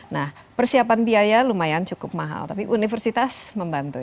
nah persiapan biaya lumayan cukup mahal tapi universitas membantu